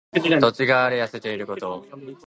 土地が荒れ痩せていること。